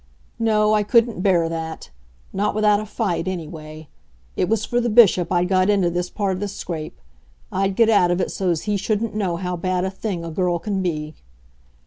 No, I couldn't bear that; not without a fight, anyway. It was for the Bishop I'd got into this part of the scrape. I'd get out of it so's he shouldn't know how bad a thing a girl can be.